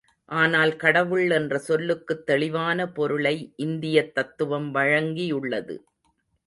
ஆனால் கடவுள் என்ற சொல்லுக்குத் தெளிவான பொருளை இந்தியத் தத்துவம் வழங்கியுள்ளது.